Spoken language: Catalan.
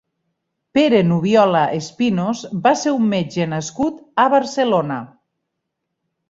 Pere Nubiola Espinos va ser un metge nascut a Barcelona.